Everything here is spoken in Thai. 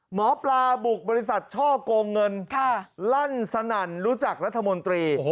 หมอปลาบุกบริษัทช่อกงเงินลั่นสนั่นรู้จักรัฐมนตรี